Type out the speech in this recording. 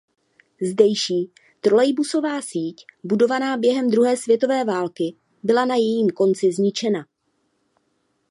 Zdejší trolejbusová síť budovaná během druhé světové války byla na jejím konci zničena.